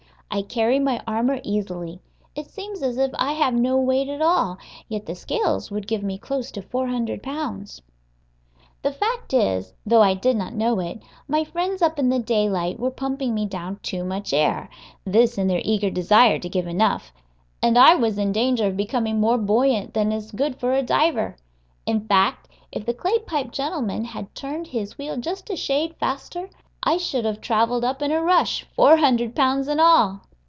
I carry my armor easily. It seems as if I have no weight at all, yet the scales would give me close to four hundred pounds. [Illustration: THE AUTHOR AFTER HIS FIRST DIVE. THE FACE PLATE HAS BEEN UNSCREWED FROM THE HELMET.] The fact is, though I did not know it, my friends up in the daylight were pumping me down too much air (this in their eager desire to give enough), and I was in danger of becoming more buoyant than is good for a diver; in fact, if the clay pipe gentleman had turned his wheel just a shade faster I should have traveled up in a rush four hundred pounds and all.